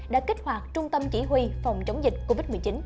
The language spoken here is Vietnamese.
đã kích hoạt trung tâm chỉ huy phòng chống dịch covid một mươi chín